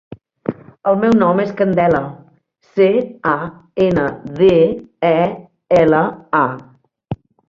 El meu nom és Candela: ce, a, ena, de, e, ela, a.